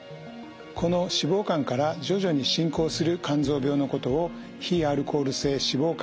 この脂肪肝から徐々に進行する肝臓病のことを非アルコール性脂肪肝炎